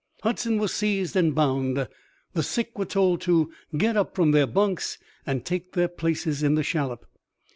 Hudson was seized and bound; the sick were told to get up from their bunks and take their places in the shallop.